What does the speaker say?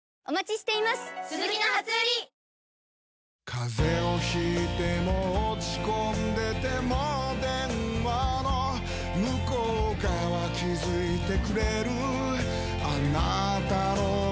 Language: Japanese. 風邪を引いても落ち込んでても電話の向こう側気付いてくれるあなたの声